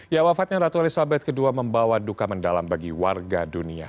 ya wafatnya ratu elizabeth ii membawa duka mendalam bagi warga dunia